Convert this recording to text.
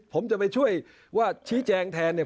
ผมจะไปช่วยว่าชี้แจงแทนเนี่ย